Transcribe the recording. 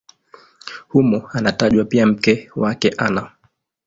Humo anatajwa pia mke wake Ana.